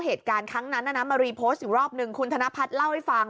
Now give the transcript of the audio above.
เหตุการณ์ครั้งนั้นมารีโพสต์อีกรอบนึงคุณธนพัฒน์เล่าให้ฟัง